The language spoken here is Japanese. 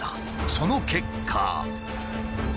その結果。